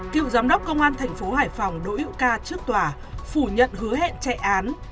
cựu giám đốc công an thành phố hải phòng đỗ hữu ca trước tòa phủ nhận hứa hẹn chạy án